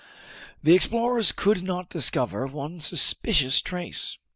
The explorers could not discover one suspicious trace.